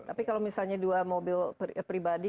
tapi kalau misalnya dua mobil pribadi